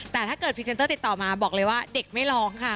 แต่ถ้าเกิดพรีเซนเตอร์ติดต่อมาบอกเลยว่าเด็กไม่ร้องค่ะ